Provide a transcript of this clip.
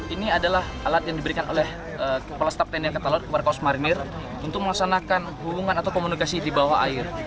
ini adalah alat yang diberikan oleh kepala staf tni ketalur kepala kosmarinir untuk melaksanakan hubungan atau komunikasi di bawah air